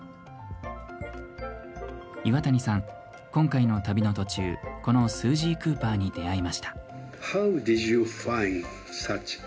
岩谷さん、今回の旅の途中このスージー・クーパーに出会いました。